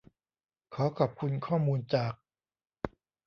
ขอขอบคุณข้อมูลจาก